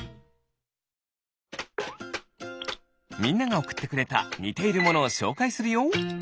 みんながおくってくれたにているものをしょうかいするよ。